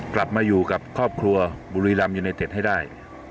กลับมาอยู่กับครอบครัวบุรีรำยูไนเต็ดให้ได้